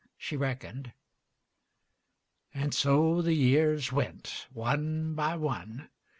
She reckoned. And so the years went one by one.